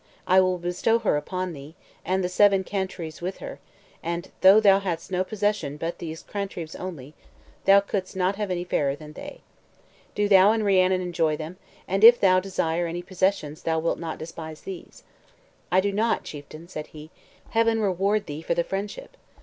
I will bestow her upon thee, and the seven cantrevs with her; and though thou hadst no possessions but those cantrevs only, thou couldst not have any fairer than they. Do thou and Rhiannon enjoy them, and if thou desire any possessions thou wilt not despise these." "I do not, chieftain," said he. "Heaven reward thee for the friendship!